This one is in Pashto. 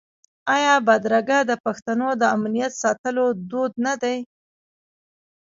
آیا بدرګه د پښتنو د امنیت ساتلو دود نه دی؟